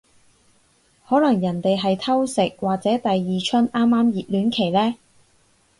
可能人哋係偷食或者第二春啱啱熱戀期呢